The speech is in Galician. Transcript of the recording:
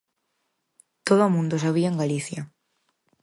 Todo o mundo o sabía en Galicia.